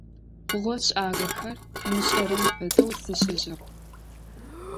Хъугъэ-шӀагъэхэр ымышӀэрэм фэдэу зишӀыжьыгъ.